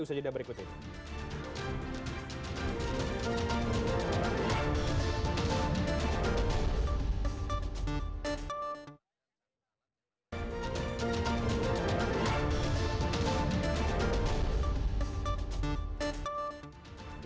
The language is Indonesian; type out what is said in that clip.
usaha jeda berikut ini